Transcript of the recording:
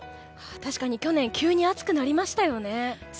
確かに去年は急に暑くなりましたよね。